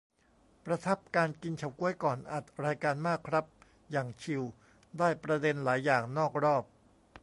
ประทับการกินเฉาก๊วยก่อนอัดรายการมากครับ อย่างชิล ได้ประเด็นหลายอย่างนอกรอบ